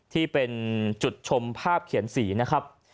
ที่เป็นจุดชมภาพเขียนสีนะครับ